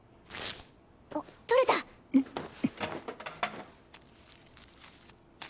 あっ取れた！あっ。